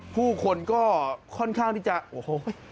ผู้คนก็ค่อนข้างที่จะโอ้โห